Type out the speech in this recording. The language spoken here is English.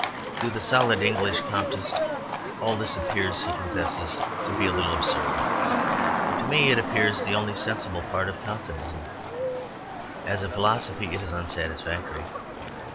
To the solid English Comtist all this appears, he confesses, to be a little absurd. To me it appears the only sensible part of Comtism. As a philosophy it is unsatisfactory.